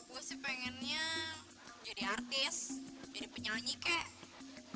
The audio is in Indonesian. gue sih pengennya jadi artis jadi penyanyi kayak